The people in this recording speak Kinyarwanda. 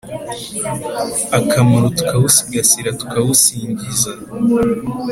akamaro tukawusigasira tukawusingiza